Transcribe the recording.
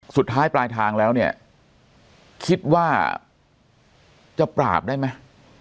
สุดท้ายปลายทางแล้วเนี่ยคิดว่าจะปราบได้ไหม